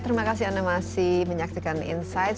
terima kasih anda masih menyaksikan insight